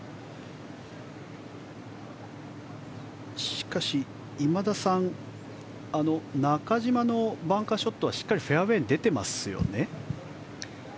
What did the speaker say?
しかし、今田さん中島のバンカーショットはしっかりフェアウェーに出ていますよね？